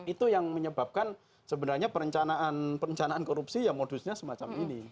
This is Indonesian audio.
itu yang menyebabkan sebenarnya perencanaan korupsi modusnya semacam ini